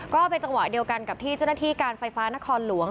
ก็เป็นจังหวะเดียวกันกับที่เจ้าหน้าที่การไฟฟ้านครหลวง